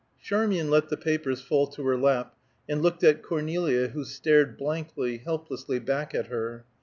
Charmian let the papers fall to her lap, and looked at Cornelia who stared blankly, helplessly back at her.